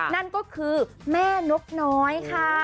นั่นก็คือแม่นกน้อยค่ะ